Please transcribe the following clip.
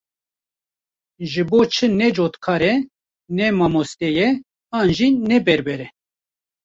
Ji bo çi ne cotkar e, ne mamoste ye, an jî ne berber e?